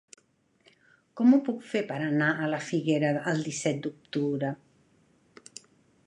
Com ho puc fer per anar a la Figuera el disset d'octubre?